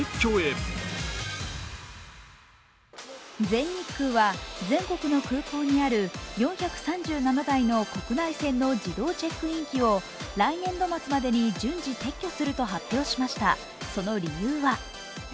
全日空は全国の空港にある４３７台の国内線の自動チェックイン機を来年度末までに順次撤去すると発表しました。